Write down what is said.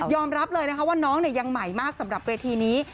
รับเลยนะคะว่าน้องยังใหม่มากสำหรับเวทีนี้